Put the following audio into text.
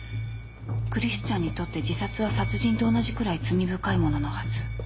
クリスチャンにとって自殺は殺人と同じくらい罪深いもののはず。